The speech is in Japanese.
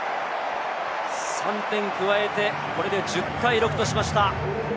３点加えて、これで１０対６としました。